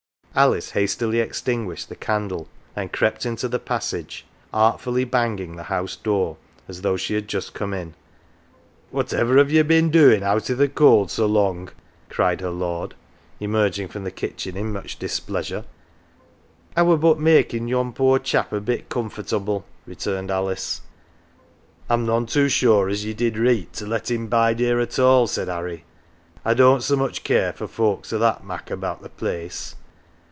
Alice hastily extinguished the candle, and crept into the passage, artfully banging the house door as though she had just come in. " Whatever ha" ye been doin" out T th 1 cold so long ?" cried her lord, emerging from the kitchen in much dis pleasure. " I were but makm 1 yon poor chap a bit comfortable," returned Alice. '; Tm none too sure as ye did reet to let "im bide here at all," said Harry. " I don't so much care for folks o v that mak 1 about th" 1 place.